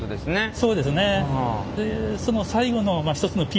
そうですね。